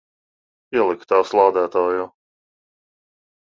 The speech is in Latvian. Ieliku tās lādētājā.